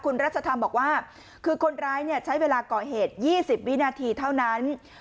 คุณรัชธรรมบอกว่าคือคนร้ายใช้เวลาก่อเหตุ๒๐วินาทีเท่านั้น